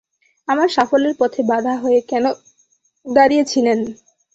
আমার সাফল্যের পথে বাধা হয়ে কেন দাঁড়িয়েছিলেন?